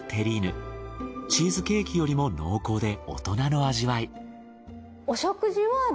チーズケーキよりも濃厚で大人の味わい。